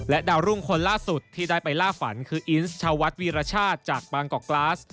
ดาวรุ่งคนล่าสุดที่ได้ไปล่าฝันคืออินสวัดวีรชาติจากบางกอกกลาส